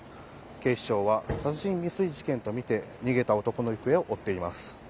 警視庁は殺人未遂事件とみて逃げた男の行方を追っています。